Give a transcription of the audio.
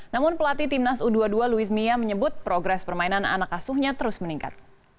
namun pelatih timnas u dua puluh dua louis mia menyebut progres permainan anak asuhnya terus meningkat